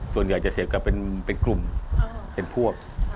ส่วนใหญ่จะเสพกับเป็นกลุ่มเป็นพวก